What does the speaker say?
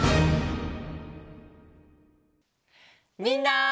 みんな！